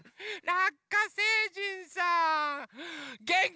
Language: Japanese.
ラッカ星人さん